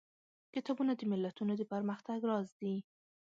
کتابونه د ملتونو د پرمختګ راز دي.